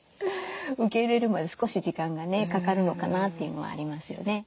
受け入れるまで少し時間がねかかるのかなっていうのはありますよね。